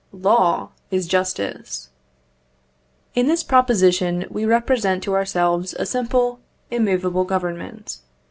Law is justice. In this proposition we represent to ourselves a simple, immovable Government.